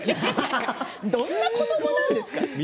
どんな子どもなんですか。